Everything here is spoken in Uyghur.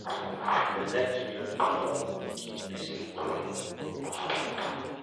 بىر نەچچە مىنۇت ئارام ئالغاندىن كېيىن ئەسلىگە كەلگەندەك بولىدۇ.